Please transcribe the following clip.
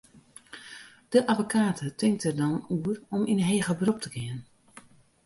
De abbekate tinkt der dan oer om yn heger berop te gean.